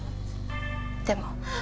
でも。